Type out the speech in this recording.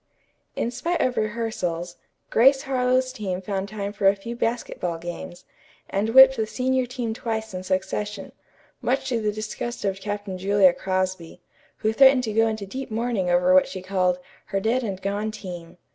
In spite of rehearsals, Grace Harlowe's team found time for a few basketball games, and whipped the senior team twice in succession, much to the disgust of Captain Julia Crosby, who threatened to go into deep mourning over what she called "her dead and gone team."